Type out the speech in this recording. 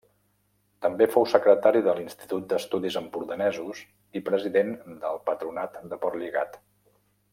També fou secretari de l'Institut d'Estudis Empordanesos i president del Patronat de Portlligat.